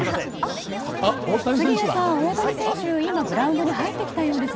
杉谷さん、大谷選手がグラウンドに入ってきたようです。